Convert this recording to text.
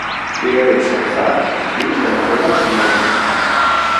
Tiberio Salazar y Herrera y Mons.